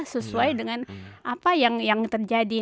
sesuai dengan apa yang terjadi